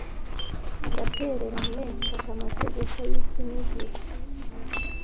ndatereranye mfata amategeko y'isi n'ijuru